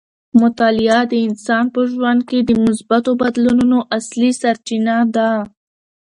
مطالعه د انسان په ژوند کې د مثبتو بدلونونو اصلي سرچینه ده.